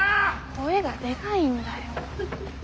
声がでがいんだよ。